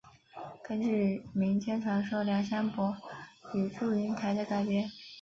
根据民间传说梁山伯与祝英台的改编。